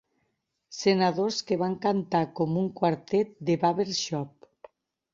Senadors que van cantar com un quartet de barbershop.